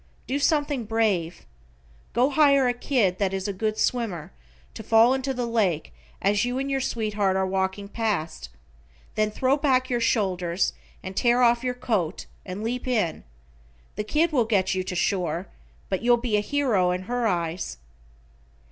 Do something brave. Go hire a kid that is a good swimmer, to fall into the lake as you and your sweetheart are walking past, then throw back your shoulders and tear off your coat and leap in, the kid will get you to shore, but you'll be a hero in her eyes.